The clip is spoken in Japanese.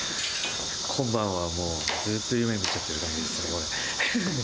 今晩はもう、ずっと夢みちゃってる感じですね、これ。